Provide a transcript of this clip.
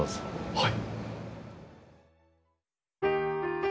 はい。